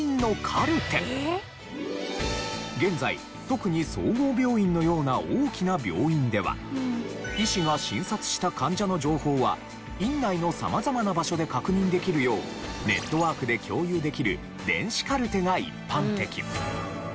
現在特に総合病院のような大きな病院では医師が診察した患者の情報は院内の様々な場所で確認できるようネットワークで共有できる電子カルテが一般的。